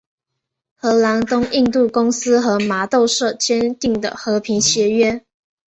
荷兰东印度公司和麻豆社签订的和平协约。